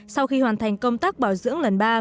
sau khi hoàn thành công tác bảo dưỡng lần ba